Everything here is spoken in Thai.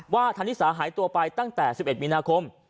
ธนิสาหายตัวไปตั้งแต่๑๑มีนาคม